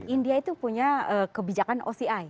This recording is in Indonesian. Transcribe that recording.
india itu punya kebijakan oci